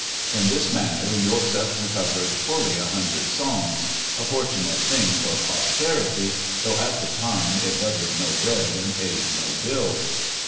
In this manner Josef recovered fully a hundred songs—a fortunate thing for posterity though at the time it buttered no bread and paid no bills.